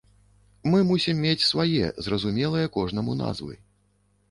Мы мусім мець свае зразумелыя кожнаму назвы.